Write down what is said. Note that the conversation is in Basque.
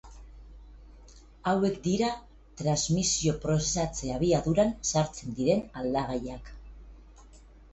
Hauek dira transmisio prozesatze abiaduran sartzen diren aldagaiak.